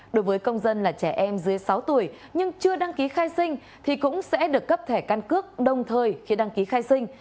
đối với công dân là trẻ em dưới sáu tuổi nhưng chưa đăng ký khai sinh thì cũng sẽ được cấp thẻ căn cước đồng thời khi đăng ký khai sinh